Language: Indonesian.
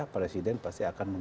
presiden pasti akan menang